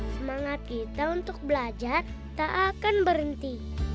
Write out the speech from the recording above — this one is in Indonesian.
semangat kita untuk belajar tak akan berhenti